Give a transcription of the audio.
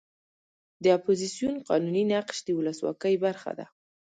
د اپوزیسیون قانوني نقش د ولسواکۍ برخه ده.